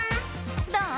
どう？